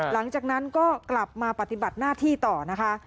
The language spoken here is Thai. หลังจากนั้นก็กลับมาปฏิบัติหน้าที่ต่อนะคะ